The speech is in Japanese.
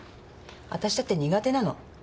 わたしだって苦手なの。